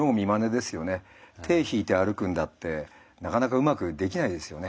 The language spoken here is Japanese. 手引いて歩くんだってなかなかうまくできないですよね。